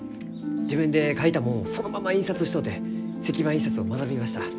自分で描いたもんをそのまま印刷しとうて石版印刷を学びました。